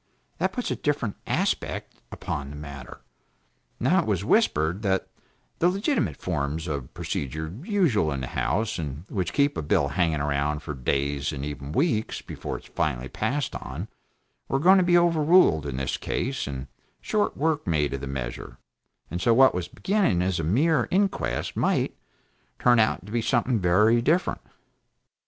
That puts a different aspect upon the matter. Now it was whispered that the legitimate forms of procedure usual in the House, and which keep a bill hanging along for days and even weeks, before it is finally passed upon, were going to be overruled, in this case, and short work made of the measure; and so, what was beginning as a mere inquest might, turn out to be something very different.